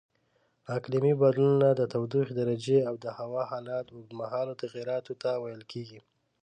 اقلیمي بدلونونه د تودوخې درجې او د هوا حالاتو اوږدمهالو تغییراتو ته ویل کېږي.